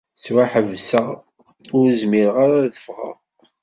Ttwaḥebseɣ, ur zmireɣ ara ad ffɣeɣ.